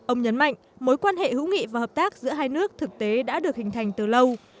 ông nhấn mạnh mối quan hệ hữu nghị và hợp tác giữa hai nước thực tế đã được hình thành từ lâu